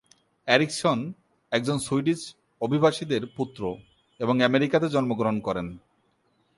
Ericsson, একজন Swedish অভিবাসীদের পুত্র এবং আমেরিকাতে জন্মগ্রহণ করেন।